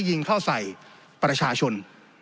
ยิงเข้าใส่ประชาชน